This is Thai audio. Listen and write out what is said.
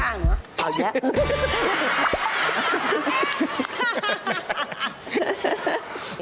เอาอย่างนี้